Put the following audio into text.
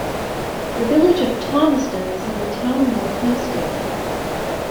The Village of Thomaston is in the Town of North Hempstead.